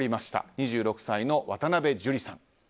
２６歳の渡邉珠理さん。